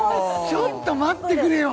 ちょっと待ってくれよ！